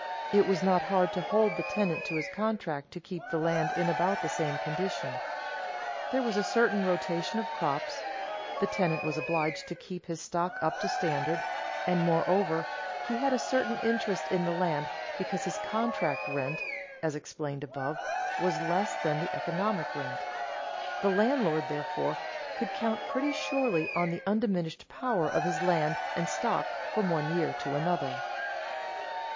It was not hard to hold the tenant to his contract to keep the land in about the same condition. There was a certain rotation of crops; the tenant was obliged to keep his stock up to standard; and, moreover, he had a certain interest in the land because his contract rent (as explained above) was less than the economic rent. The landlord, therefore, could count pretty surely on the undiminished power of his land and stock from one year to another.